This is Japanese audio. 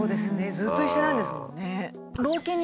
ずっと一緒なんですもんね。